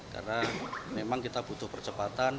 karena memang kita butuh percepatan